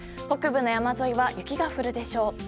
北部の山沿いは雪が降るでしょう。